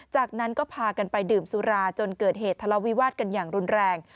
จากนั้นก็พากันไปดื่มสุราจนเกิดเหตุทะเลาวิวาสกันอย่างรุนแรง